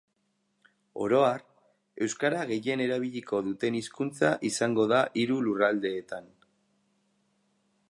Oro har, euskara gehien erabiliko duten hizkuntza izango da hiru lurraldeetan.